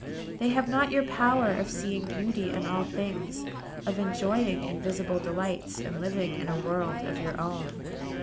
"They have not your power of seeing beauty in all things, of enjoying invisible delights, and living in a world of your own.